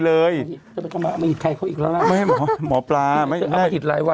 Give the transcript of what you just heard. เรื่องหมอพลาใช่ไหมใช่